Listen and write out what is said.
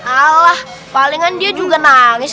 alah palingan dia juga nangis